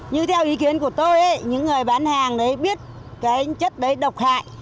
như theo ý kiến của tôi những người bán hàng biết chất đó độc hại